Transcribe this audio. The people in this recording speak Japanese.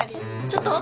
ちょっと！